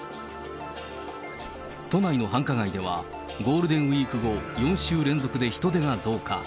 都内の繁華街ではゴールデンウィーク後４週連続で人出が増加。